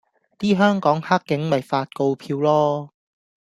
啲香港克警咪發告票囉